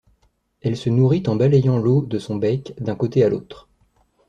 Elle se nourrit en balayant l'eau de son bec d'un côté à l'autre.